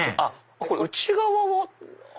これ内側は？